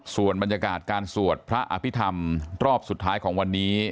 ส่วนบรรยากาศการสวดพระอภิษฐรรมรอบสุดท้ายของวันนี้